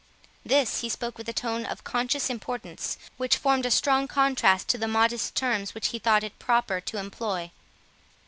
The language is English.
This he spoke with a tone of conscious importance, which formed a strong contrast to the modest terms which he thought it proper to employ.